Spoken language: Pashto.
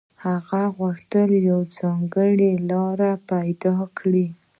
هغه غوښتل يوه ځانګړې لاره پيدا کړي.